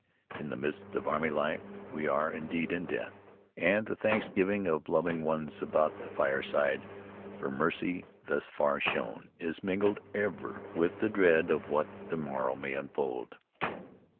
In the midst of army life we are, indeed, in death, and the thanksgiving of loving ones about the fireside for mercies thus far shown, is mingled ever with the dread of what the morrow may unfold.